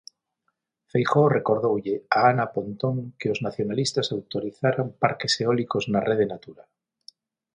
Feijóo recordoulle a Ana Pontón que os nacionalistas autorizaran parques eólicos na Rede Natura.